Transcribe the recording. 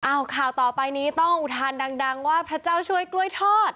ข่าวต่อไปนี้ต้องอุทานดังว่าพระเจ้าช่วยกล้วยทอด